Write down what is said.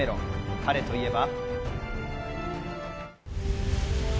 彼といえば。